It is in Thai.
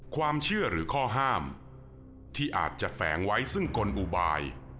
ความเชื่อหรือข้อห้ามที่อาจจะแฝงไว้ซึ่งกลอุบาย